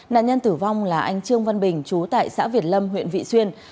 nạn nhân tử vong là anh trương văn bình chú tại xã việt lâm huyện vị xuyên